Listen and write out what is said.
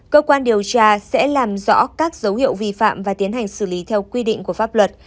cơ quan điều tra sẽ làm rõ các dấu hiệu vi phạm và tiến hành xử lý theo quy định của pháp luật